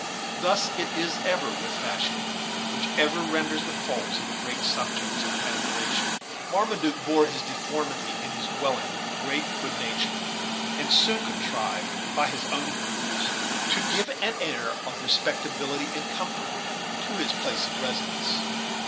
Thus it is ever with fashion, which even renders the faults of the great subjects of admiration. Marmaduke bore this deformity in his dwelling with great good nature, and soon contrived, by his own improvements, to give an air of respectability and comfort to his place of residence.